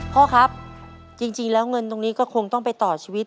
พ่อครับจริงแล้วเงินตรงนี้ก็คงต้องไปต่อชีวิต